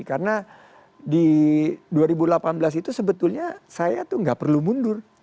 karena di dua ribu delapan belas itu sebetulnya saya tuh gak perlu mundur